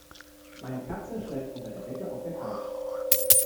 Meine Katze schläft unter der Decke auf der Couch.